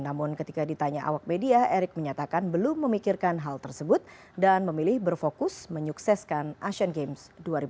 namun ketika ditanya awak media erick menyatakan belum memikirkan hal tersebut dan memilih berfokus menyukseskan asian games dua ribu delapan belas